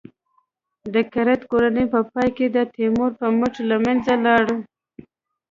د کرت کورنۍ په پای کې د تیمور په مټ له منځه لاړه.